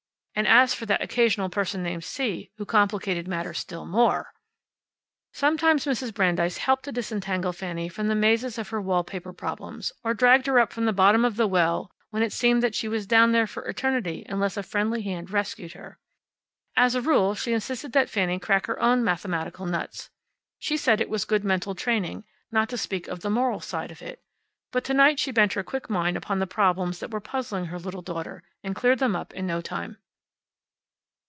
And as for that occasional person named C, who complicated matters still more ! Sometimes Mrs. Brandeis helped to disentangle Fanny from the mazes of her wall paper problems, or dragged her up from the bottom of the well when it seemed that she was down there for eternity unless a friendly hand rescued her. As a rule she insisted that Fanny crack her own mathematical nuts. She said it was good mental training, not to speak of the moral side of it. But to night she bent her quick mind upon the problems that were puzzling her little daughter, and cleared them up in no time.